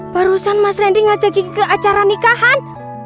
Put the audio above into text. barusan mas randy ngajak kiki ke acara nikahan